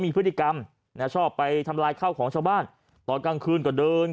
มีพฤติกรรมนะชอบไปทำลายข้าวของชาวบ้านตอนกลางคืนก็เดิน